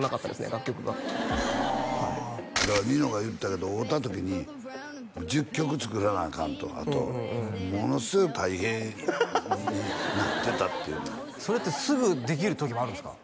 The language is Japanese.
楽曲がだからニノが言ったけど会うた時に１０曲作らなアカンとあとものすごい大変になってたって言うねんそれってすぐできる時もあるんですか？